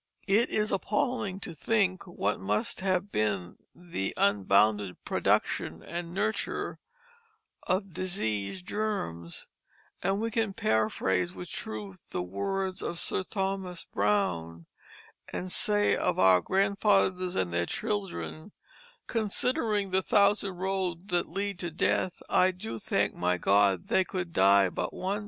It is appalling to think what must have been the unbounded production and nurture of disease germs; and we can paraphrase with truth the words of Sir Thomas Browne, and say of our grandfathers and their children, "Considering the thousand roads that lead to death, I do thank my God they could die but once."